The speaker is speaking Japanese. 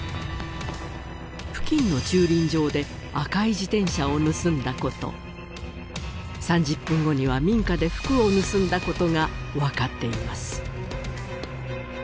付近の駐輪場で赤い自転車を盗んだこと３０分後には民家で服を盗んだことが分かっています